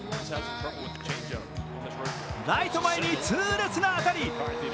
ライト前に痛烈な当たり。